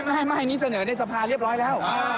ไม่อันนี้เสนอในสภาเรียบร้อยแล้ว